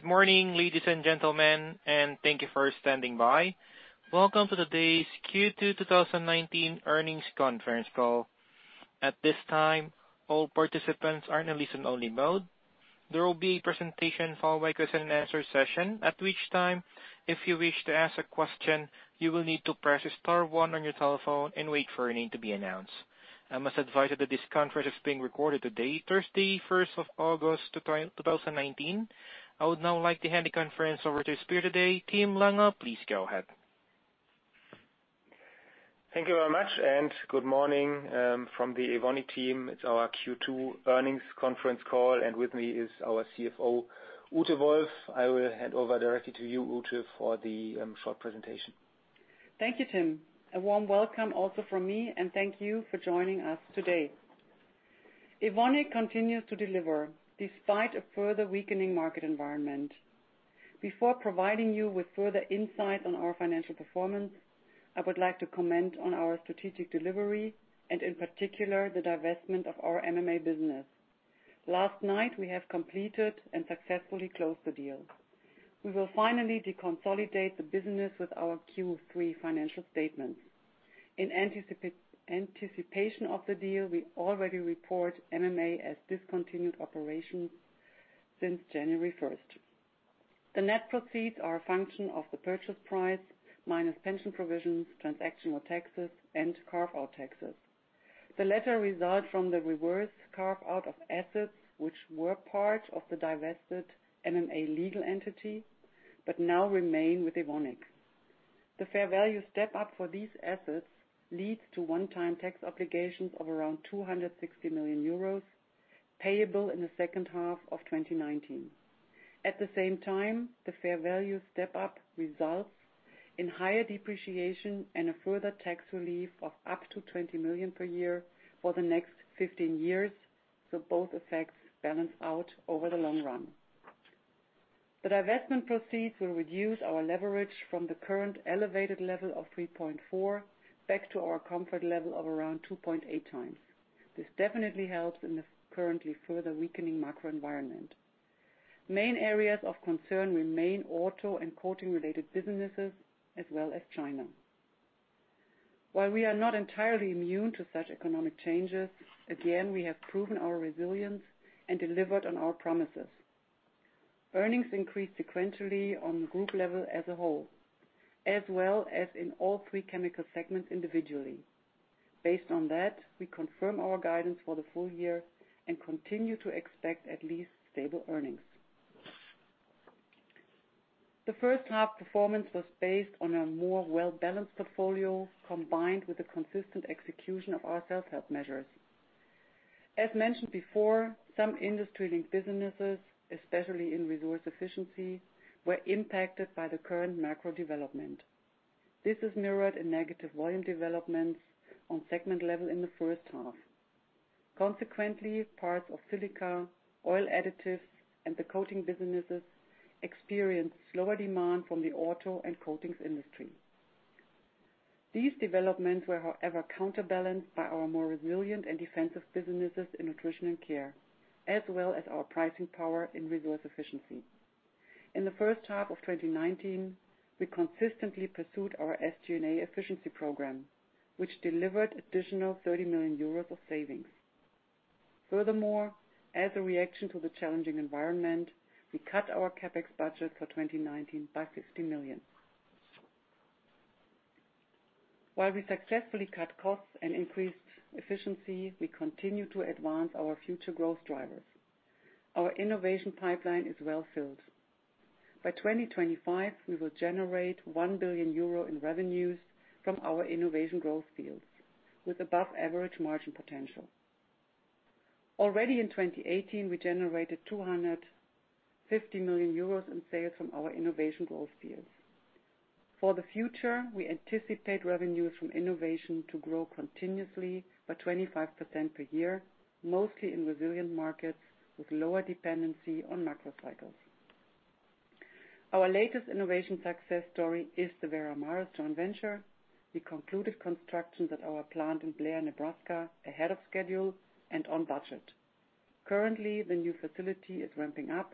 Good morning, ladies and gentlemen, and thank you for standing by. Welcome to today's Q2 2019 earnings conference call. At this time, all participants are in a listen only mode. There will be a presentation followed by question and answer session. At which time, if you wish to ask a question, you will need to press star one on your telephone and wait for your name to be announced. I must advise you that this conference is being recorded today, Thursday, 1st of August 2019. I would now like to hand the conference over to the speaker today, Tim Lange. Please go ahead. Thank you very much, and good morning from the Evonik team. It's our Q2 earnings conference call, and with me is our CFO, Ute Wolf. I will hand over directly to you, Ute, for the short presentation. Thank you, Tim. A warm welcome also from me, and thank you for joining us today. Evonik continues to deliver despite a further weakening market environment. Before providing you with further insight on our financial performance, I would like to comment on our strategic delivery and in particular, the divestment of our MMA business. Last night, we have completed and successfully closed the deal. We will finally deconsolidate the business with our Q3 financial statements. In anticipation of the deal, we already report MMA as discontinued operations since January 1st. The net proceeds are a function of the purchase price, minus pension provisions, transactional taxes, and carve-out taxes. The latter result from the reverse carve-out of assets which were part of the divested MMA legal entity, but now remain with Evonik. The fair value step-up for these assets leads to one-time tax obligations of around 260 million euros, payable in the second half of 2019. At the same time, the fair value step-up results in higher depreciation and a further tax relief of up to 20 million per year for the next 15 years. Both effects balance out over the long run. The divestment proceeds will reduce our leverage from the current elevated level of 3.4 back to our comfort level of around 2.8 times. This definitely helps in the currently further weakening macro environment. Main areas of concern remain auto and coating related businesses, as well as China. While we are not entirely immune to such economic changes, again, we have proven our resilience and delivered on our promises. Earnings increased sequentially on group level as a whole, as well as in all three chemical segments individually. Based on that, we confirm our guidance for the full year and continue to expect at least stable earnings. The first half performance was based on a more well-balanced portfolio, combined with the consistent execution of our self-help measures. As mentioned before, some industry-linked businesses, especially in Resource Efficiency, were impacted by the current macro development. This is mirrored in negative volume developments on segment level in the first half. Consequently, parts of silica, oil additives, and the coating businesses experienced slower demand from the auto and coatings industry. These developments were, however, counterbalanced by our more resilient and defensive businesses in Nutrition & Care, as well as our pricing power in Resource Efficiency. In the first half of 2019, we consistently pursued our SG&A efficiency program, which delivered additional 30 million euros of savings. Furthermore, as a reaction to the challenging environment, we cut our CapEx budget for 2019 by 60 million. While we successfully cut costs and increased efficiency, we continue to advance our future growth drivers. Our innovation pipeline is well-filled. By 2025, we will generate 1 billion euro in revenues from our innovation growth fields with above average margin potential. Already in 2018, we generated 250 million euros in sales from our innovation growth fields. For the future, we anticipate revenues from innovation to grow continuously by 25% per year, mostly in resilient markets with lower dependency on macro cycles. Our latest innovation success story is the Veramaris joint venture. We concluded constructions at our plant in Blair, Nebraska ahead of schedule and on budget. Currently, the new facility is ramping up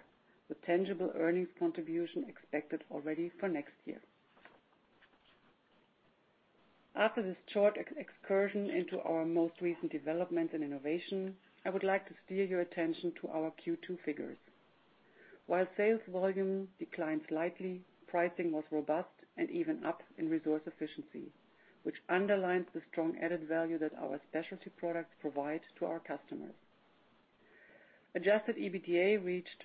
with tangible earnings contribution expected already for next year. After this short excursion into our most recent development and innovation, I would like to steer your attention to our Q2 figures. While sales volume declined slightly, pricing was robust and even up in Resource Efficiency, which underlines the strong added value that our specialty products provide to our customers. Adjusted EBITDA reached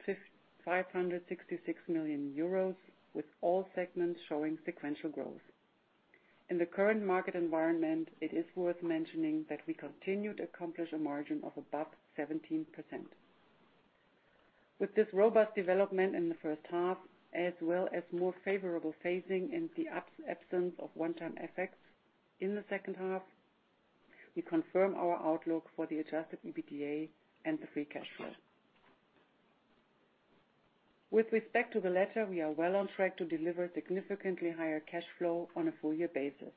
566 million euros, with all segments showing sequential growth. In the current market environment, it is worth mentioning that we continue to accomplish a margin of above 17%. With this robust development in the first half, as well as more favorable phasing in the absence of one-time effects in the second half, we confirm our outlook for the adjusted EBITDA and the free cash flow. With respect to the latter, we are well on track to deliver significantly higher cash flow on a full year basis.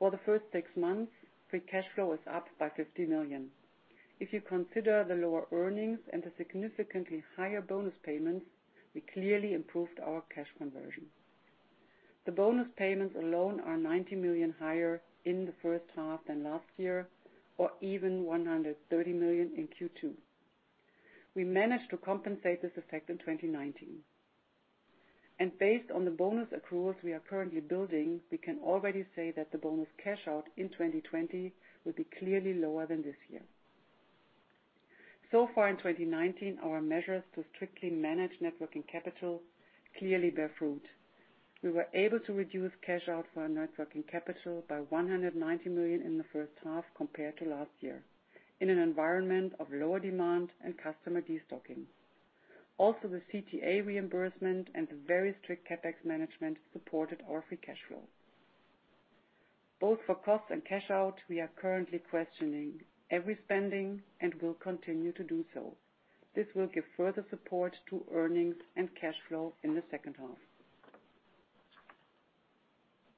For the first six months, free cash flow is up by 50 million. If you consider the lower earnings and the significantly higher bonus payments, we clearly improved our cash conversion. The bonus payments alone are 90 million higher in the first half than last year, or even 130 million in Q2. We managed to compensate this effect in 2019. Based on the bonus accruals we are currently building, we can already say that the bonus cash out in 2020 will be clearly lower than this year. So far in 2019, our measures to strictly manage net working capital clearly bear fruit. We were able to reduce cash out for our net working capital by 190 million in the first half compared to last year, in an environment of lower demand and customer destocking. Also, the CTA reimbursement and the very strict CapEx management supported our free cash flow. Both for costs and cash out, we are currently questioning every spending and will continue to do so. This will give further support to earnings and cash flow in the second half.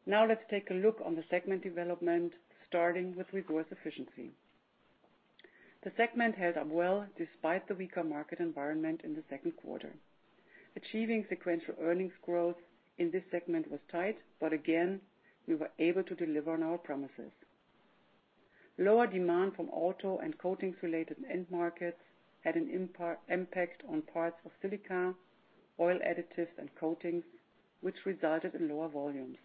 Now let's take a look on the segment development, starting with Resource Efficiency. The segment held up well despite the weaker market environment in the second quarter. Achieving sequential earnings growth in this segment was tight, but again, we were able to deliver on our promises. Lower demand from auto and coatings-related end markets had an impact on parts for silica, oil additives, and coatings, which resulted in lower volumes.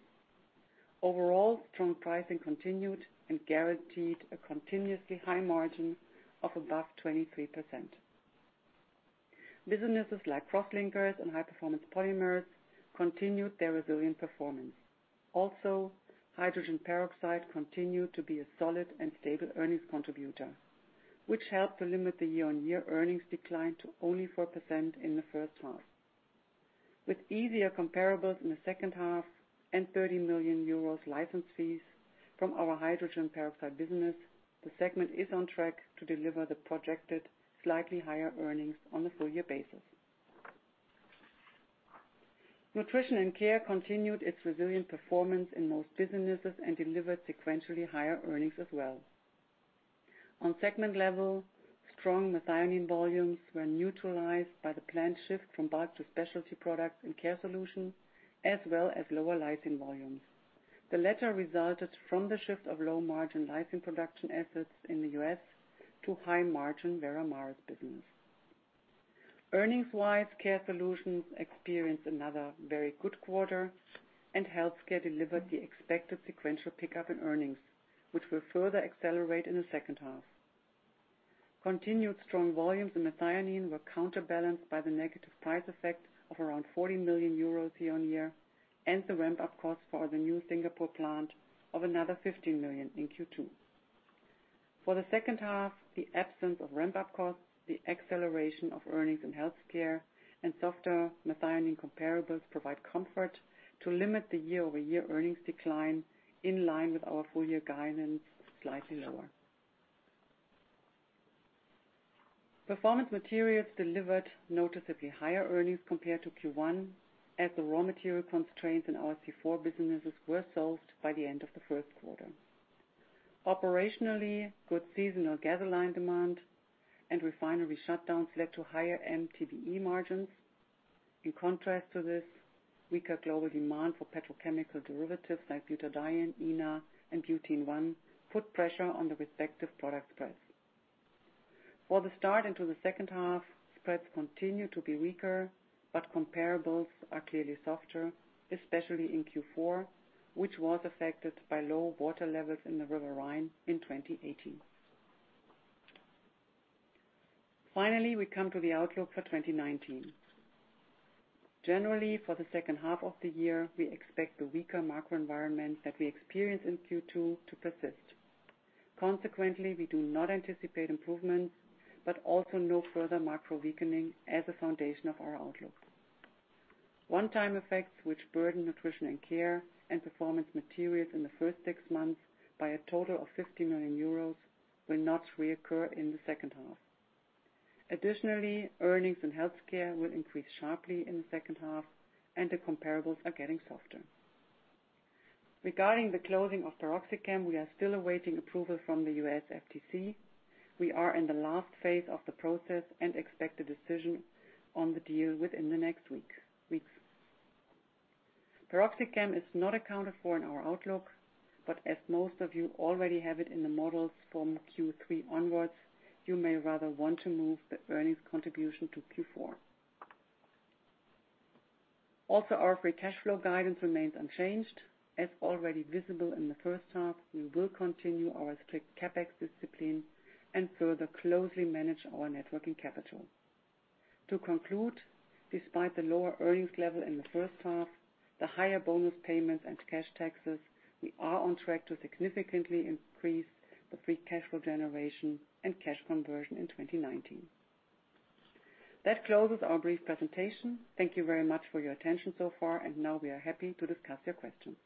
Overall, strong pricing continued and guaranteed a continuously high margin of above 23%. Businesses like crosslinkers and high-performance polymers continued their resilient performance. Also, hydrogen peroxide continued to be a solid and stable earnings contributor, which helped to limit the year-on-year earnings decline to only 4% in the first half. With easier comparables in the second half and 30 million euros license fees from our hydrogen peroxide business, the segment is on track to deliver the projected slightly higher earnings on a full year basis. Nutrition & Care continued its resilient performance in most businesses and delivered sequentially higher earnings as well. On segment level, strong methionine volumes were neutralized by the planned shift from bulk to specialty products in Care Solutions, as well as lower lysine volumes. The latter resulted from the shift of low-margin lysine production assets in the U.S. to high-margin Veramaris business. Earnings-wise, Care Solutions experienced another very good quarter, and Health Care delivered the expected sequential pickup in earnings, which will further accelerate in the second half. Continued strong volumes in methionine were counterbalanced by the negative price effect of around 40 million euros year-on-year and the ramp-up cost for the new Singapore plant of another 50 million in Q2. For the second half, the absence of ramp-up costs, the acceleration of earnings in Health Care, and softer methionine comparables provide comfort to limit the year-over-year earnings decline in line with our full-year guidance, slightly lower. Performance Materials delivered noticeably higher earnings compared to Q1, as the raw material constraints in our C4 businesses were solved by the end of the first quarter. Operationally, good seasonal gasoline demand and refinery shutdowns led to higher MTBE margins. In contrast to this, weaker global demand for petrochemical derivatives like butadiene, ENAs, and butene-1 put pressure on the respective product spreads. For the start into the second half, spreads continue to be weaker, but comparables are clearly softer, especially in Q4, which was affected by low water levels in the River Rhine in 2018. Finally, we come to the outlook for 2019. Generally, for the second half of the year, we expect the weaker macro environment that we experienced in Q2 to persist. Consequently, we do not anticipate improvements, but also no further macro weakening as a foundation of our outlook. One-time effects which burdened Nutrition & Care and Performance Materials in the first six months by a total of €50 million will not reoccur in the second half. Additionally, earnings in Health Care will increase sharply in the second half, and the comparables are getting softer. Regarding the closing of PeroxyChem, we are still awaiting approval from the U.S. FTC. We are in the last phase of the process and expect a decision on the deal within the next weeks. PeroxyChem is not accounted for in our outlook, as most of you already have it in the models from Q3 onwards, you may rather want to move the earnings contribution to Q4. Our free cash flow guidance remains unchanged. As already visible in the first half, we will continue our strict CapEx discipline and further closely manage our net working capital. To conclude, despite the lower earnings level in the first half, the higher bonus payments and cash taxes, we are on track to significantly increase the free cash flow generation and cash conversion in 2019. That closes our brief presentation. Thank you very much for your attention so far. Now we are happy to discuss your questions.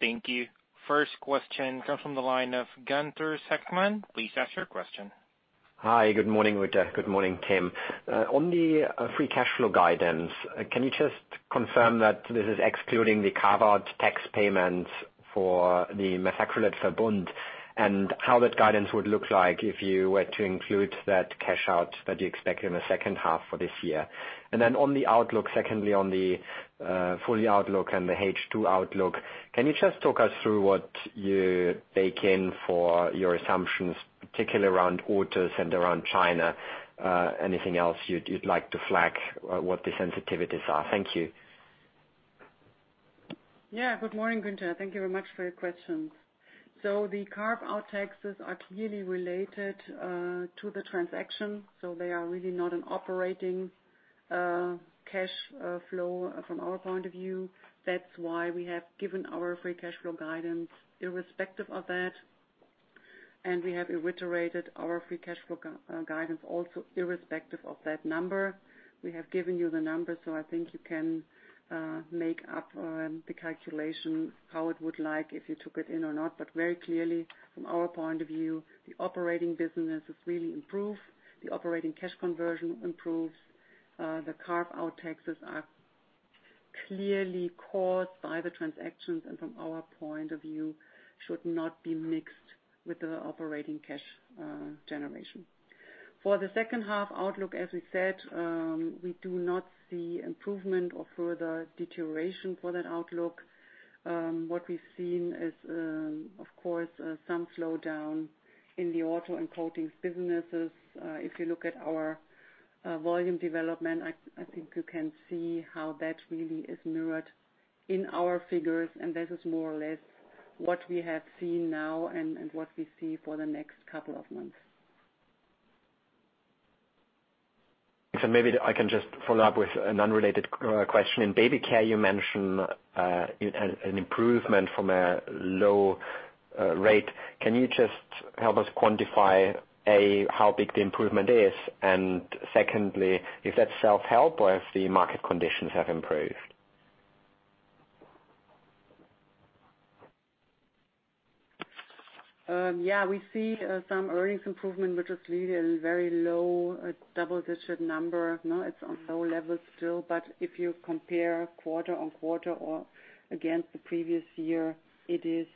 Thank you. First question comes from the line of Guenther Heckmann. Please ask your question. Hi, good morning, Ute. Good morning, Tim. On the free cash flow guidance, can you just confirm that this is excluding the carved-out tax payments for the Methacrylate Verbund, and how that guidance would look like if you were to include that cash out that you expect in the second half for this year? On the outlook, secondly, on the full year outlook and the H2 outlook, can you just talk us through what you bake in for your assumptions, particularly around autos and around China? Anything else you'd like to flag what the sensitivities are? Thank you. Yeah. Good morning, Guenther. Thank you very much for your questions. The carve-out taxes are clearly related to the transaction, so they are really not an operating cash flow from our point of view. That's why we have given our free cash flow guidance irrespective of that, and we have reiterated our free cash flow guidance also irrespective of that number. We have given you the number, so I think you can make up the calculation, how it would like if you took it in or not. Very clearly, from our point of view, the operating business is really improved. The operating cash conversion improves. The carve-out taxes are clearly caused by the transactions and from our point of view, should not be mixed with the operating cash generation. For the second half outlook, as we said, we do not see improvement or further deterioration for that outlook. What we've seen is, of course, some slowdown in the auto and coatings businesses. If you look at our volume development, I think you can see how that really is mirrored in our figures. This is more or less what we have seen now and what we see for the next couple of months. Maybe I can just follow up with an unrelated question. In baby care, you mentioned an improvement from a low rate. Can you just help us quantify, A, how big the improvement is? Secondly, if that's self-help or if the market conditions have improved. Yeah. We see some earnings improvement, which is really a very low double-digit number. No, it's on low levels still. If you compare quarter on quarter or against the previous year, it is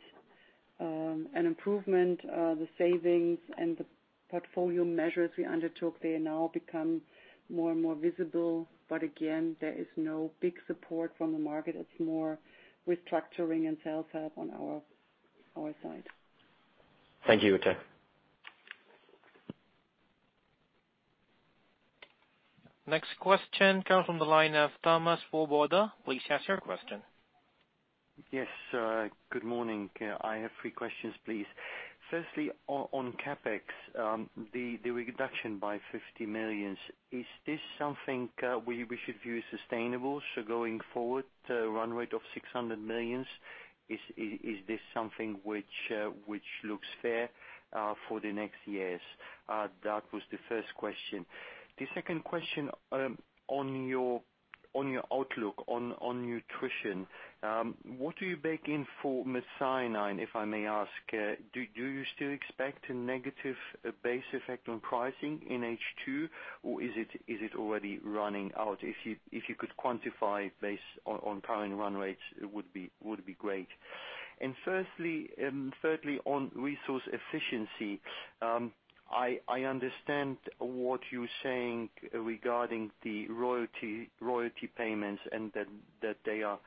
an improvement. The savings and the portfolio measures we undertook, they now become more and more visible. Again, there is no big support from the market. It's more restructuring and self-help on our side. Thank you, Ute. Next question comes from the line of Thomas. Wrigglesworth. Please ask your question. Yes. Good morning. I have three questions, please. Firstly, on CapEx, the reduction by 50 million. Is this something we should view as sustainable? Going forward, run rate of 600 million, is this something which looks fair for the next years? That was the first question. The second question on your outlook on Nutrition. What do you bake in for methionine, if I may ask? Do you still expect a negative base effect on pricing in H2? Is it already running out? If you could quantify based on current run rates, would be great. Thirdly, on Resource Efficiency. I understand what you're saying regarding the royalty payments and that they are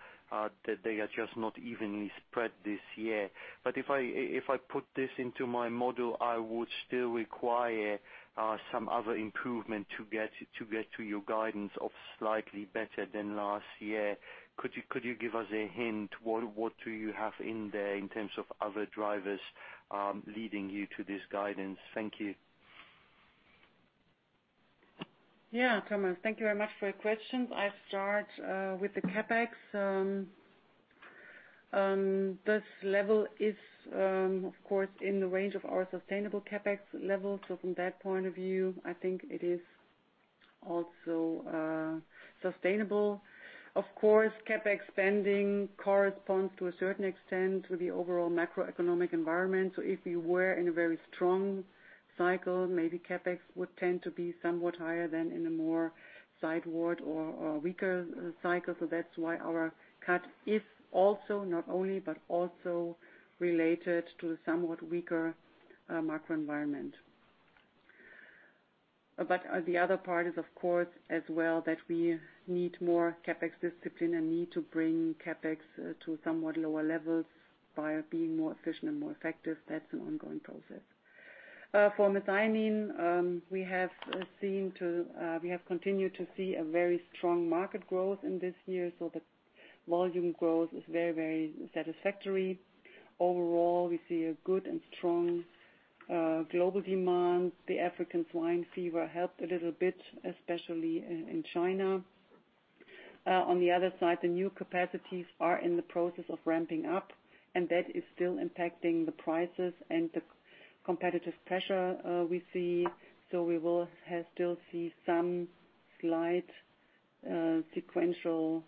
just not evenly spread this year. If I put this into my model, I would still require some other improvement to get to your guidance of slightly better than last year. Could you give us a hint, what do you have in there in terms of other drivers leading you to this guidance? Thank you. Thomas. Thank you very much for your questions. I start with the CapEx. This level is, of course, in the range of our sustainable CapEx level. From that point of view, I think it is also sustainable. Of course, CapEx spending corresponds to a certain extent with the overall macroeconomic environment. If we were in a very strong cycle, maybe CapEx would tend to be somewhat higher than in a more sideward or weaker cycle. That's why our cut is also, not only, but also related to the somewhat weaker macro environment. The other part is, of course, as well, that we need more CapEx discipline and need to bring CapEx to somewhat lower levels by being more efficient and more effective. That's an ongoing process. For methionine, we have continued to see a very strong market growth in this year. The volume growth is very satisfactory. Overall, we see a good and strong global demand. The African swine fever helped a little bit, especially in China. On the other side, the new capacities are in the process of ramping up, and that is still impacting the prices and the competitive pressure we see. We will still see some slight sequential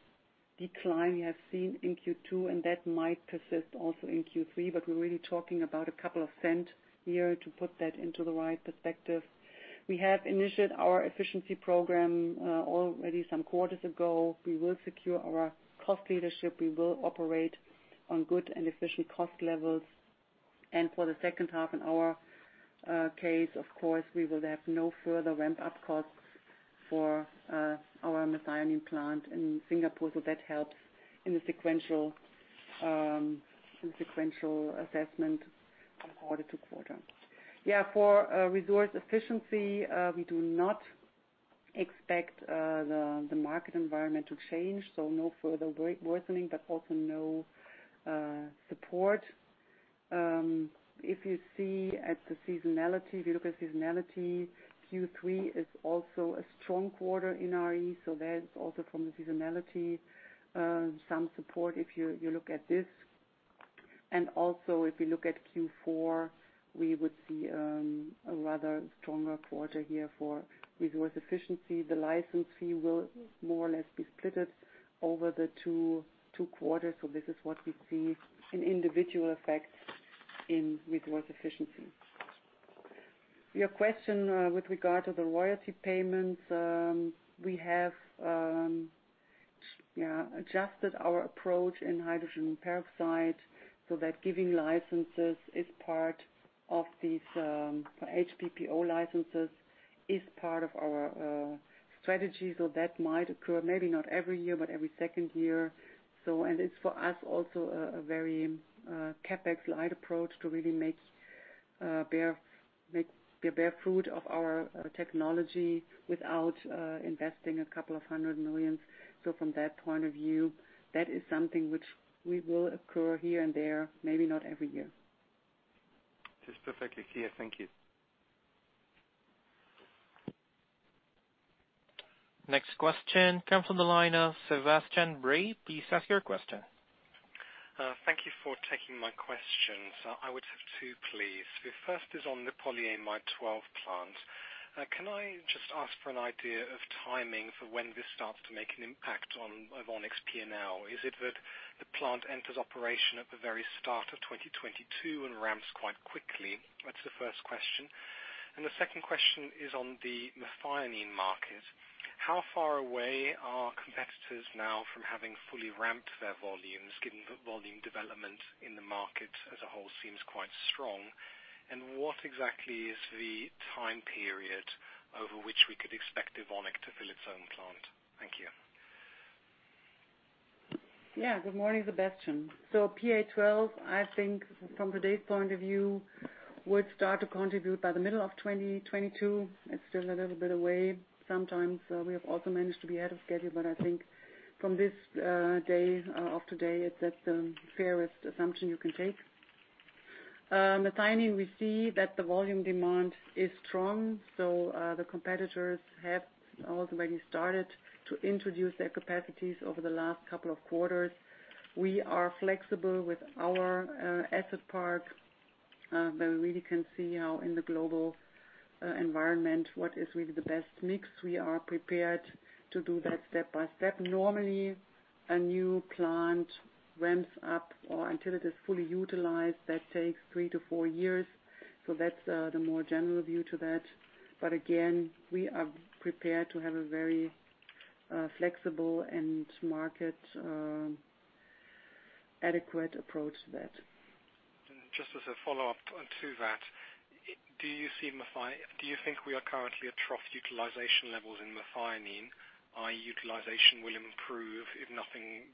decline we have seen in Q2, and that might persist also in Q3, but we're really talking about a couple of cent here to put that into the right perspective. We have initiated our efficiency program already some quarters ago. We will secure our cost leadership. We will operate on good and efficient cost levels. For the second half, in our case, of course, we will have no further ramp-up costs for our methionine plant in Singapore, that helps in the sequential assessment quarter to quarter. For Resource Efficiency, we do not expect the market environment to change, so no further worsening, but also no support. If you look at seasonality, Q3 is also a strong quarter in RE, so there is also from the seasonality some support if you look at this. Also, if you look at Q4, we would see a rather stronger quarter here for Resource Efficiency. The license fee will more or less be split over the two quarters. This is what we see in individual effects in Resource Efficiency. Your question with regard to the royalty payments, we have adjusted our approach in hydrogen peroxide so that giving licenses, HPPO licenses, is part of our strategy. That might occur, maybe not every year, but every second year. It's for us also a very CapEx-light approach to really make the bare fruit of our technology without investing a couple of hundred million EUR. From that point of view, that is something which we will occur here and there, maybe not every year. Just perfectly clear. Thank you. Next question comes from the line of Sebastian Bray. Please ask your question. Thank you for taking my questions. I would have two, please. The first is on the polyamide 12 plant. Can I just ask for an idea of timing for when this starts to make an impact on Evonik's P&L? Is it that the plant enters operation at the very start of 2022 and ramps quite quickly? That's the first question. The second question is on the methionine market. How far away are competitors now from having fully ramped their volumes, given that volume development in the market as a whole seems quite strong? What exactly is the time period over which we could expect Evonik to fill its own plant? Thank you. Yeah. Good morning, Sebastian. PA12, I think from today's point of view, would start to contribute by the middle of 2022. It's still a little bit away. Sometimes we have also managed to be ahead of schedule, but I think from this day, of today, that's the fairest assumption you can take. Methionine, we see that the volume demand is strong, so the competitors have already started to introduce their capacities over the last couple of quarters. We are flexible with our asset park, where we really can see how in the global environment, what is really the best mix. We are prepared to do that step by step. Normally, a new plant ramps up, or until it is fully utilized, that takes three to four years. That's the more general view to that. Again, we are prepared to have a very flexible and market-adequate approach to that. Just as a follow-up to that, do you think we are currently at trough utilization levels in methionine, i.e. utilization will improve if nothing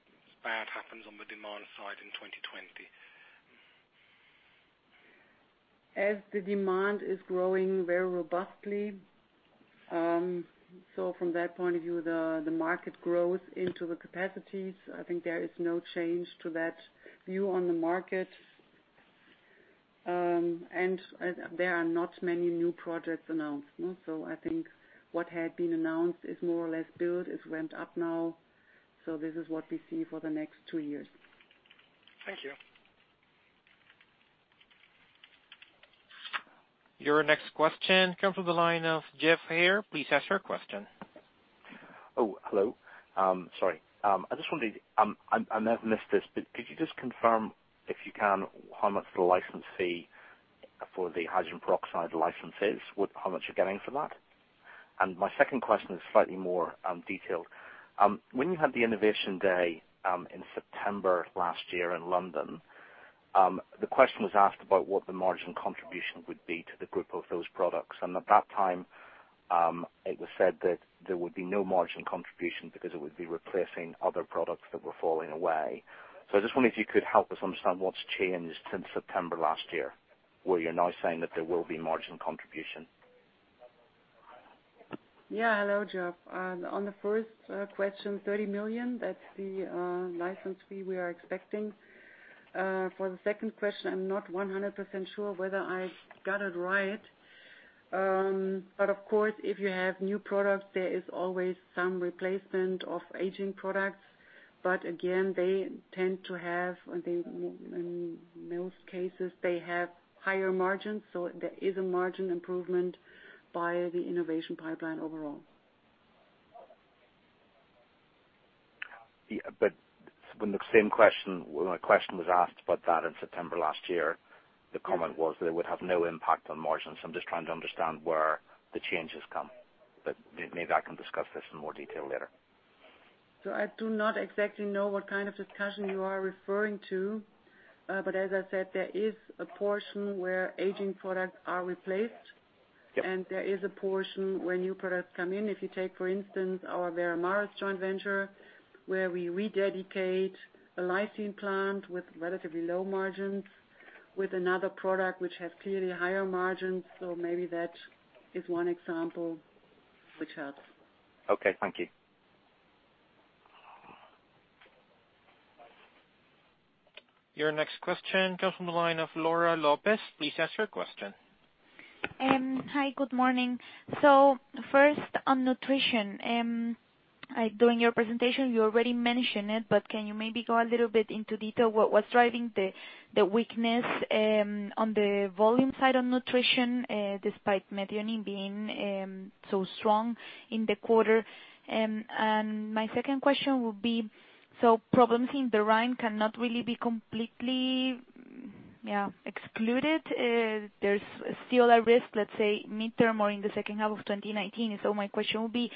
bad happens on the demand side in 2020? As the demand is growing very robustly, so from that point of view, the market growth into the capacities, I think there is no change to that view on the market. There are not many new projects announced. I think what had been announced is more or less built, is ramped up now. This is what we see for the next two years. Thank you. Your next question comes from the line of Geoff Haire. Please ask your question. Oh, hello. Sorry. I may have missed this, but could you just confirm, if you can, how much the license fee for the hydrogen peroxide license is? How much you're getting for that? My second question is slightly more detailed. When you had the Innovation Day in September last year in London, the question was asked about what the margin contribution would be to the group of those products. At that time, it was said that there would be no margin contribution because it would be replacing other products that were falling away. I just wonder if you could help us understand what's changed since September last year, where you're now saying that there will be margin contribution. Yeah. Hello, Geoff. On the first question, 30 million, that's the license fee we are expecting. For the second question, I'm not 100% sure whether I got it right. Of course, if you have new products, there is always some replacement of aging products. Again, they tend to have, in most cases, they have higher margins, so there is a margin improvement by the innovation pipeline overall. When the question was asked about that in September last year, the comment was that it would have no impact on margins. I'm just trying to understand where the change has come, but maybe I can discuss this in more detail later. I do not exactly know what kind of discussion you are referring to. As I said, there is a portion where aging products are replaced. Yep. There is a portion where new products come in. If you take, for instance, our Veramaris joint venture, where we rededicate a lysine plant with relatively low margins with another product which has clearly higher margins. Maybe that is one example which helps. Okay, thank you. Your next question comes from the line of Laura Lopez. Please ask your question. Hi, good morning. First on nutrition. During your presentation, you already mentioned it, but can you maybe go a little bit into detail what was driving the weakness on the volume side on nutrition, despite methionine being so strong in the quarter? My second question will be, problems in the Rhine cannot really be completely excluded. There's still a risk, let's say midterm or in the second half of 2019. My question would be,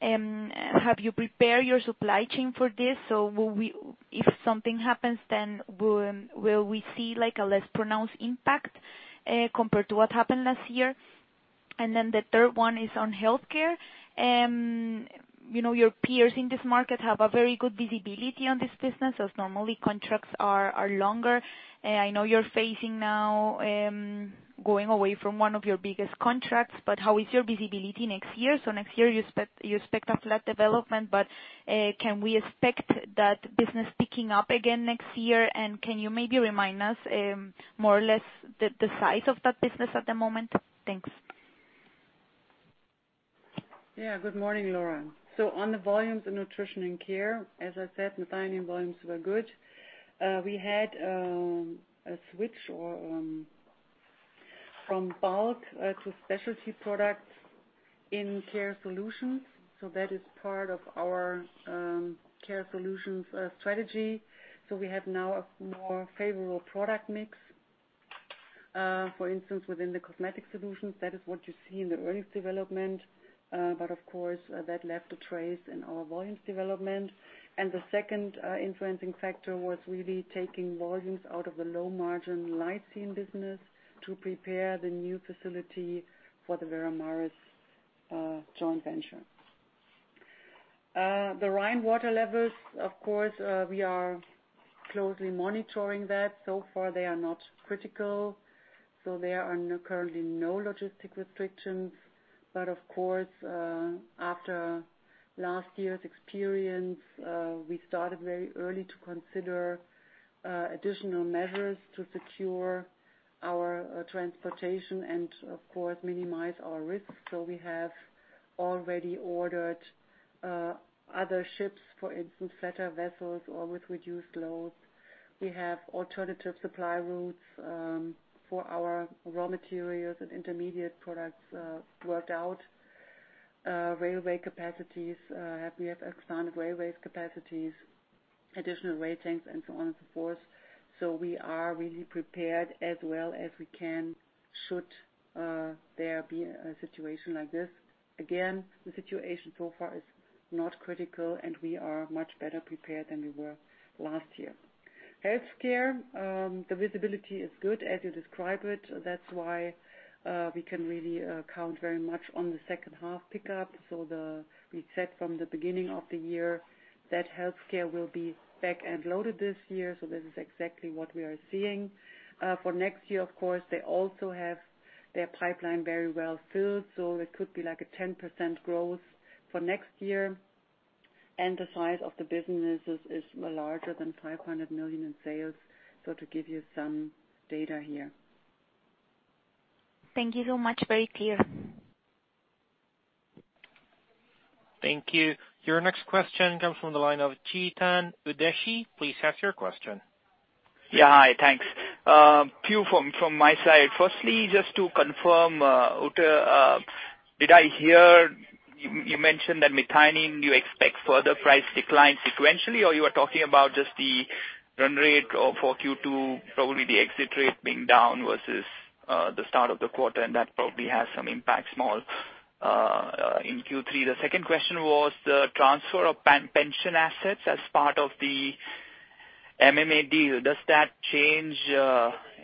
have you prepared your supply chain for this? If something happens, will we see a less pronounced impact, compared to what happened last year? The third one is on Health Care. Your peers in this market have a very good visibility on this business, as normally contracts are longer. I know you're facing now going away from one of your biggest contracts, but how is your visibility next year? Next year you expect a flat development, can we expect that business picking up again next year? Can you maybe remind us more or less the size of that business at the moment? Thanks. Good morning, Laura. On the volumes in Nutrition & Care, as I said, methionine volumes were good. We had a switch from bulk to specialty products in Care Solutions. That is part of our Care Solutions strategy. We have now a more favorable product mix. For instance, within the Cosmetic Solutions, that is what you see in the earnings development. Of course, that left a trace in our volumes development. The second influencing factor was really taking volumes out of the low-margin lysine business to prepare the new facility for the Veramaris joint venture. The Rhine water levels, of course, we are closely monitoring that. So far, they are not critical, so there are currently no logistic restrictions. Of course, after last year's experience, we started very early to consider additional measures to secure our transportation and, of course, minimize our risk. We have already ordered other ships, for instance, flatter vessels or with reduced loads. We have alternative supply routes for our raw materials and intermediate products worked out. We have expanded railway capacities, additional rail tanks, and so on and so forth. We are really prepared as well as we can, should there be a situation like this. Again, the situation so far is not critical, and we are much better prepared than we were last year. Health Care, the visibility is good as you describe it. That's why we can really count very much on the second half pickup. We said from the beginning of the year that Health Care will be back end loaded this year, so this is exactly what we are seeing. For next year, of course, they also have their pipeline very well filled, so it could be like a 10% growth for next year. The size of the business is larger than 500 million in sales. To give you some data here. Thank you so much. Very clear. Thank you. Your next question comes from the line of Chetan Udeshi. Please ask your question. Yeah. Hi, thanks. Few from my side. Firstly, just to confirm, Ute, did I hear you mention that methionine, you expect further price decline sequentially, or you are talking about just the run rate for Q2, probably the exit rate being down versus the start of the quarter and that probably has some impact small in Q3? The second question was the transfer of pension assets as part of the MMA deal. Does that change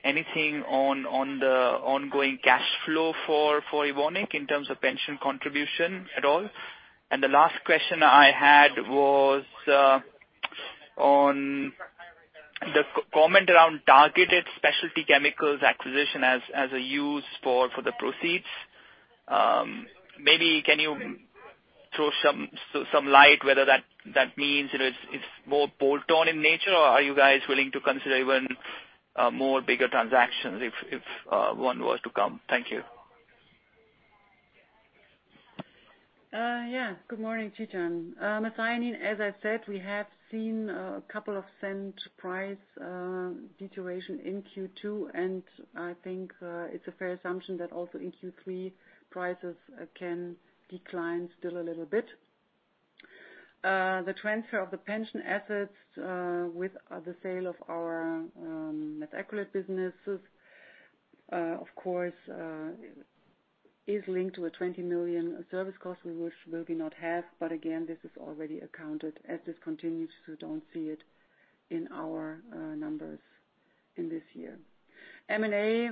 anything on the ongoing cash flow for Evonik in terms of pension contribution at all? The last question I had was on the comment around targeted specialty chemicals acquisition as a use for the proceeds. Maybe can you throw some light whether that means it's more bolt-on in nature, or are you guys willing to consider even more bigger transactions if one was to come? Thank you. Good morning, Chetan. methionine, as I said, we have seen a couple of cent price deterioration in Q2. I think it's a fair assumption that also in Q3 prices can decline still a little bit. The transfer of the pension assets with the sale of our methacrylate business, of course, is linked to a 20 million service cost we will not have. Again, this is already accounted as discontinued, you don't see it in our numbers in this year. M&A,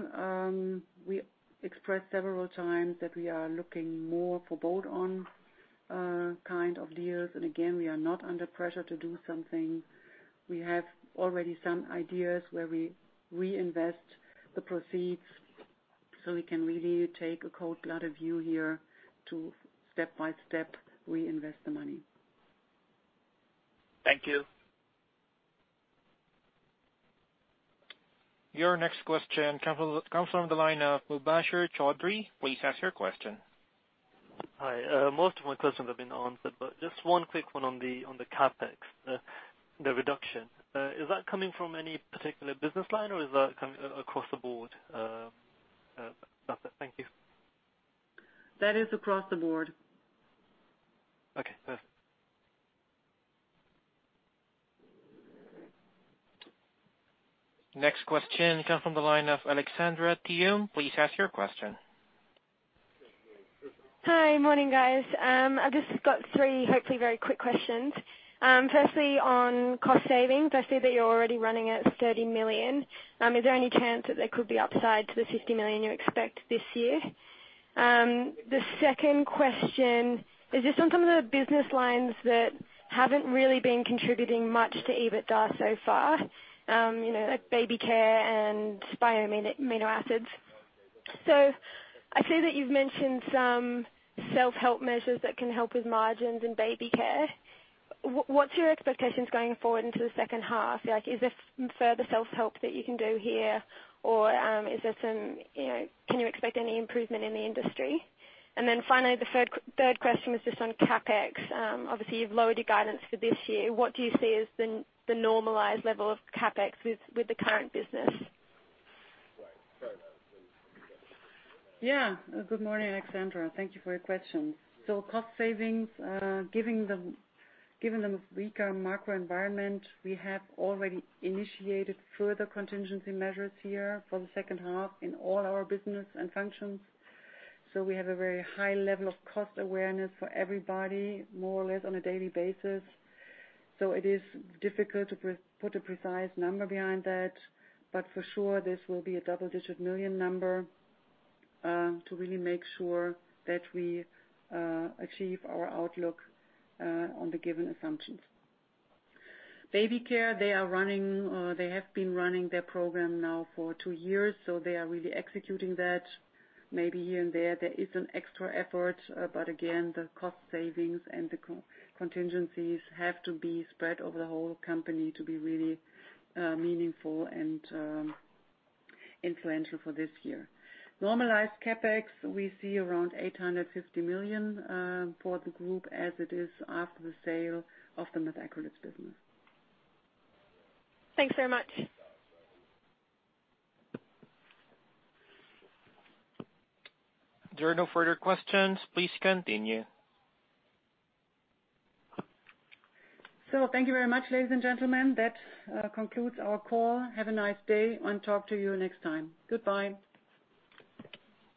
we expressed several times that we are looking more for bolt-on kind of deals. Again, we are not under pressure to do something. We have already some ideas where we reinvest the proceeds, we can really take a cold, latter view here to step by step reinvest the money. Thank you. Your next question comes from the line of Mubasher Chaudhry. Please ask your question. Hi. Most of my questions have been answered, but just one quick one on the CapEx, the reduction. Is that coming from any particular business line, or is that coming across the board? That's it. Thank you. That is across the board. Okay, perfect. Next question comes from the line of Alexandra Tiu. Please ask your question. Hi. Morning, guys. I've just got three, hopefully, very quick questions. Firstly, on cost savings, I see that you're already running at 30 million. Is there any chance that there could be upside to the 50 million you expect this year? The second question is just on some of the business lines that haven't really been contributing much to EBITDA so far, like baby care and bio amino acids. I see that you've mentioned some self-help measures that can help with margins in baby care. What's your expectations going forward into the second half? Is there some further self-help that you can do here, or can you expect any improvement in the industry? Finally, the third question was just on CapEx. Obviously, you've lowered your guidance for this year. What do you see as the normalized level of CapEx with the current business? Yeah. Good morning, Alexandra. Thank you for your questions. Cost savings, given the weaker macro environment, we have already initiated further contingency measures here for the second half in all our business and functions. We have a very high level of cost awareness for everybody, more or less on a daily basis. It is difficult to put a precise number behind that, but for sure, this will be a double-digit million number, to really make sure that we achieve our outlook on the given assumptions. baby care, they have been running their program now for two years, so they are really executing that. Maybe here and there is an extra effort. Again, the cost savings and the contingencies have to be spread over the whole company to be really meaningful and influential for this year. Normalized CapEx, we see around 850 million for the group as it is after the sale of the methacrylate business. Thanks very much. There are no further questions. Please continue. Thank you very much, ladies and gentlemen. That concludes our call. Have a nice day and talk to you next time. Goodbye.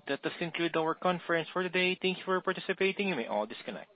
That does conclude our conference for today. Thank you for participating. You may all disconnect.